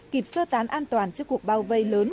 kịp sơ tán an toàn trước cuộc bao vây lớn